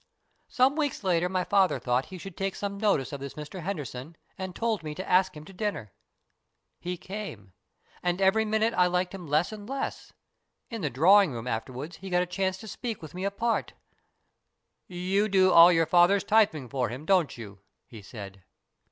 " Some weeks later my father thought he should take some notice of this Mr Henderson, and told me to ask him to dinner. He came, and every minute I liked him less and less. In the drawing room afterwards he got a chance to speak with me apart. BURDON'S TOMB 99 "* You do all your fathers typing for him, don't you ?' he said.